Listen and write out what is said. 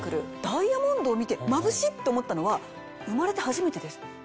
ダイヤモンドを見てまぶしい！って思ったのは生まれて初めてです。